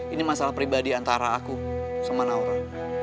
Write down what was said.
ini masalah pribadi antara aku sama naura